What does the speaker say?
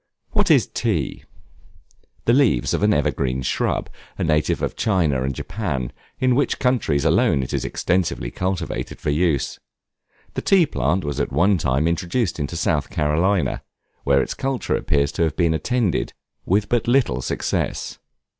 What is Tea? The leaves of an evergreen shrub, a native of China and Japan, in which countries alone it is extensively cultivated for use. The tea plant was at one time introduced into South Carolina, where its culture appears to have been attended with but little success.